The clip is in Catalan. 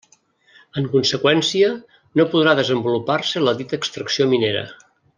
En conseqüència, no podrà desenvolupar-se la dita extracció minera.